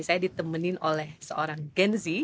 saya ditemenin oleh seorang gen z